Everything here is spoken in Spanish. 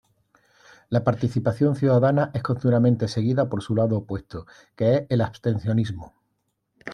La participación ciudadana es continuamente seguida por su lado opuesto, que es el abstencionismo.